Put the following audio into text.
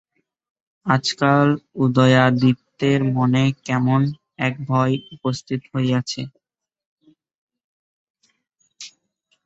আজকাল উদয়াদিত্যের মনে কেমন একটা ভয় উপস্থিত হইয়াছে।